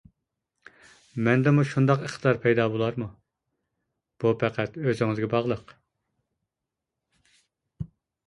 -مەندىمۇ شۇنداق ئىقتىدار پەيدا بولارمۇ؟ -بۇ پەقەت ئۆزىڭىزگە باغلىق.